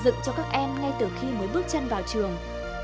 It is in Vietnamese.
tạo dựng cho các em ngay từ khi mới bước chân vào trường